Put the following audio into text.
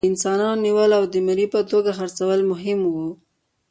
د انسانانو نیول او د مري په توګه خرڅول مهم وو.